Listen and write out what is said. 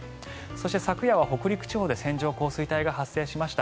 そして、昨夜は北陸地方で線状降水帯が発生しました。